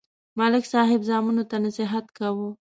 ملک صاحب زامنو ته نصحت کاوه